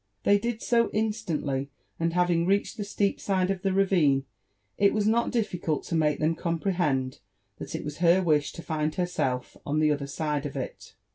They did so instantly ; and having reached the steep side of the ravine, it was not difficult to make them ' comprehend that it was her wish to find herself on the other side of it.